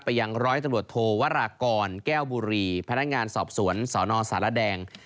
ยังร้อยตำรวจโทวรากรแก้วบุรีพนักงานสอบสวนสนสารแดง